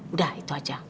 udah itu aja